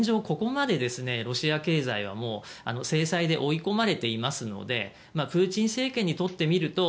ここまでロシア経済はもう制裁で追い込まれていますのでプーチン政権にとってみる